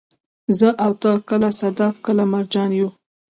زه او ته، کله صدف، کله مرجان يو